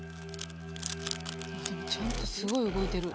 ちゃんとすごい動いてる。